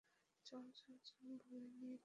চল, চল, চল বলে নিয়ে এলি।